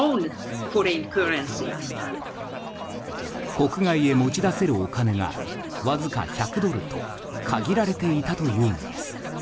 国外で持ち出せるお金がわずか１００ドルと限られていたというのです。